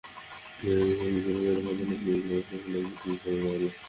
এখানে এসেছি ভাবমূর্তি বজায় রাখার জন্য, বদলে আমাকে বোমা দিয়ে অভ্যর্থনা জানানো হলো?